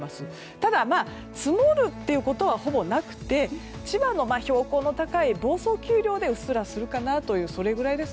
ただ、積もるということはほぼなくて千葉の標高の高い房総丘陵でうっすら、するかなというそれぐらいです。